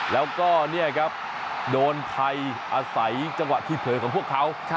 แล้วก็เนี่ยครับโดนไทยอาศัยจังหวะที่เผลอของพวกเขา